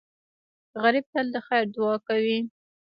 غریب تل د خیر دعا کوي